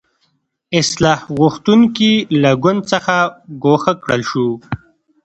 اصلاح غوښتونکي له ګوند څخه ګوښه کړل شو.